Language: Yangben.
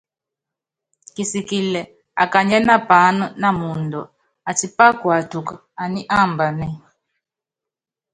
Kisikili akanyiɛ́ na paáná na muundɔ, atípá kuatuku aní ambanɛ́ɛ.